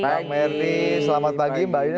bang merdi selamat pagi mbak yuni